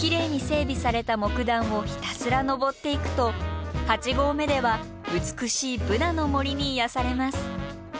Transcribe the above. きれいに整備された木段をひたすら登っていくと八合目では美しいブナの森に癒やされます。